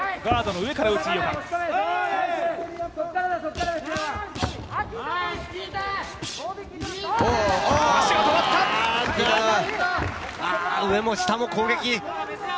上も下も攻撃。